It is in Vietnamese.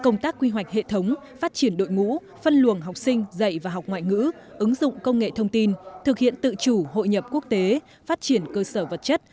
ngữ ứng dụng công nghệ thông tin thực hiện tự chủ hội nhập quốc tế phát triển cơ sở vật chất